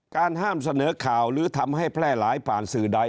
ห้ามเสนอข่าวหรือทำให้แพร่หลายผ่านสื่อใด